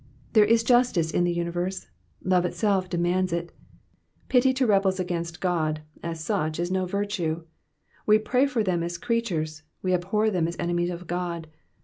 There is justice in the universe, love itself demands it ; pity to rebels against God, as such, is no virtue — we pray for them as creatures, we abhor them as enemies of God.